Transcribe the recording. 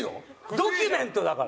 ドキュメントだから。